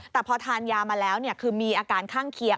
แต่พอทานยามาแล้วคือมีอาการข้างเคียง